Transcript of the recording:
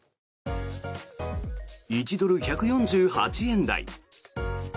１ドル＝１４８円台。